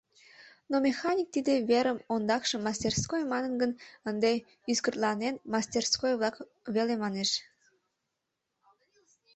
Но механик тиде верым ондакшым «мастерской» манын гын, ынде ӱскыртланен «мастерской-влак» веле манеш.